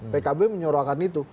pkb menyorokan itu